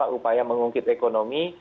antara upaya mengungkit ekonomi